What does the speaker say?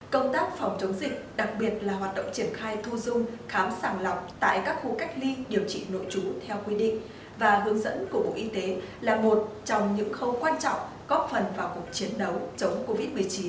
công tác phòng chống dịch đặc biệt là hoạt động triển khai thu dung khám sàng lọc tại các khu cách ly điều trị nội trú theo quy định và hướng dẫn của bộ y tế là một trong những khâu quan trọng góp phần vào cuộc chiến đấu chống covid một mươi chín